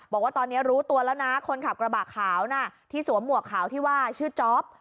บอกว่าตอนนี้รู้ตัวแล้วนะคนขับกระบะขาวน่ะที่สวมหมวกขาวที่ว่าชื่อจ๊อป